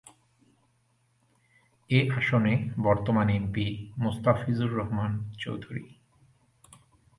এ আসনে বর্তমান এমপি মোস্তাফিজুর রহমান চৌধুরী।